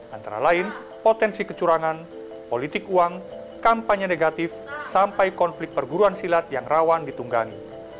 antara lain potensi kecurangan politik uang kampanye negatif sampai konflik perguruan silat yang rawan ditunggangi